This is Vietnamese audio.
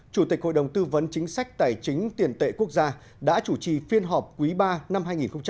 chủ tịch hội đồng tư vấn chính sách tài chính tiền tệ quốc gia đã chủ trì phiên họp quý ba năm hai nghìn hai mươi